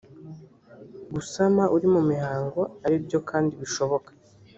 gusama uri mu mihango ari byo kandi bishoboka